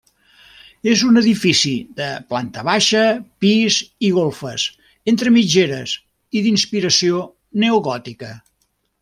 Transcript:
És un edifici de planta baixa, pis i golfes, entre mitgeres i d'inspiració neogòtica.